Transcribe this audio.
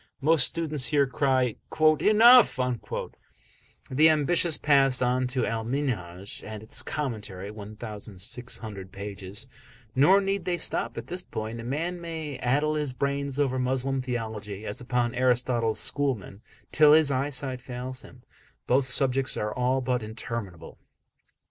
Most students here cry: "Enough!" The ambitious pass on to Al Minhaj and its commentary, (1600 pages). Nor need they stop at this point. A man may addle his brains over Moslem theology, as upon Aristotle's schoolmen, till his eyesight fails him both subjects are all but interminable.